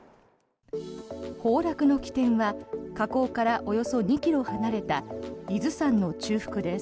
崩落の起点は河口からおよそ２ｋｍ離れた伊豆山の中腹です。